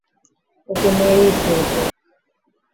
ওকে মেরেই ফেলব!